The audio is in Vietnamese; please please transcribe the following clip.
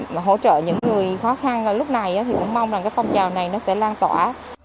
mà hỗ trợ những người khó khăn lúc này thì cũng mong rằng cái phong trào này nó sẽ lan tỏa